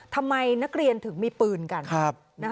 ทำไมนักเรียนถึงมีปืนกัน